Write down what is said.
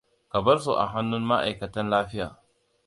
Ka barsu a hannun ma'aikatan lafiya.